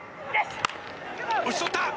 打ち取った！